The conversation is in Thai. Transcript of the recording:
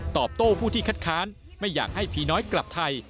โต้ผู้ที่คัดค้านไม่อยากให้ผีน้อยกลับไทย